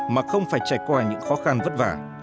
mà không phải trải qua những khó khăn vất vả